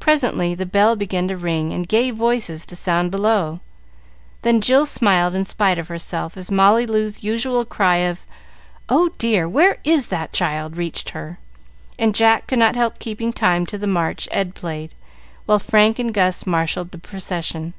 Presently the bell began to ring and gay voices to sound below: then Jill smiled in spite of herself as Molly Loo's usual cry of "Oh, dear, where is that child?" reached her, and Jack could not help keeping time to the march Ed played, while Frank and Gus marshalled the procession.